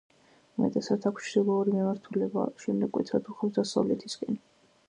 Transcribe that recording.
უმეტესად აქვს ჩრდილოეთური მიმართულება, შემდეგ მკვეთრად უხვევს დასავლეთისაკენ.